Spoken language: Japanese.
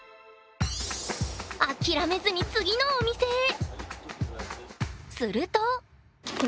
諦めずに次のお店へ！